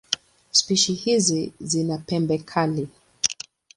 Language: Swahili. Spishi hizi zina pembe kali.